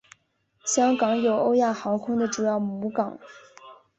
香港有欧亚航空的主要母港。